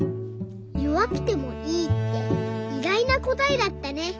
「よわくてもいい」っていがいなこたえだったね。